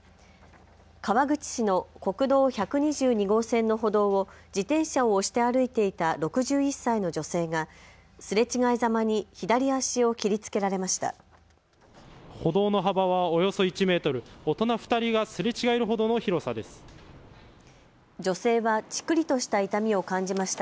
川口市の国道１２２号線の歩道を自転車を押して歩いていた６１歳の女性が、すれ違いざまに左足を切りつけられました。